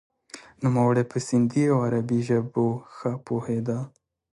نوموړی په سندهي او عربي ژبو ښه پوهیده.